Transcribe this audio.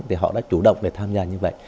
thì họ đã chủ động để tham gia như vậy